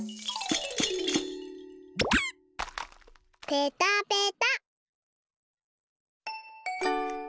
ペタペタ。